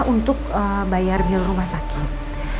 untuk bayar bill rumah sakit